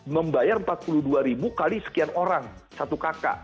membayar empat puluh dua ribu kali sekian orang satu kakak